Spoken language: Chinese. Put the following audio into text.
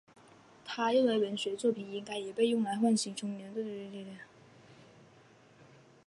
他认为文学作品应该也被用来唤醒青年对社会的关心与敏感。